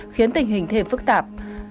khiến tình hình thêm phức tạp